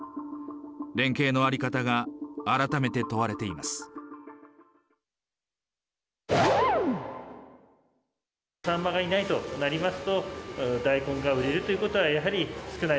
連携の在り方が改めて問われています。